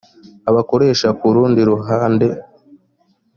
abakoresha ku rundi ruhande.